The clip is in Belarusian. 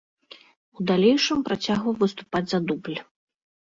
У далейшым працягваў выступаць за дубль.